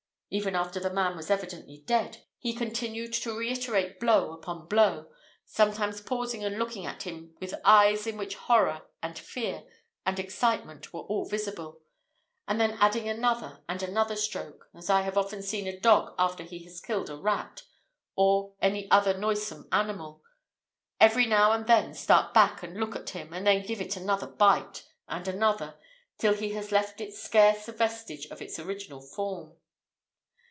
Even after the man was evidently dead, he continued to reiterate blow upon blow; sometimes pausing and looking at him with eyes in which horror, and fear, and excitement, were all visible; and then adding another and another stroke, as I have often seen a dog after he has killed a rat, or any other noisome animal, every now and then start back and look at him, and then give it another bite, and another, till he has left it scarce a vestige of its original form.